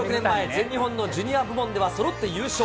全日本のジュニア部門ではそろって優勝。